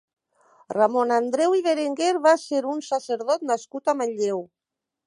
Ramon Andreu i Berenguer va ser un sacerdot nascut a Manlleu.